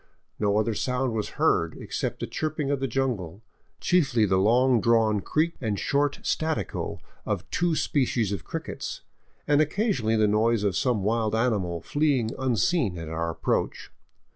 No other sound was heard, except the chirping of the jungle, chiefly the long drawn creak and short staccato of two species of crickets, and occasionally the noise of some wild animal fleeing unseen at our approach.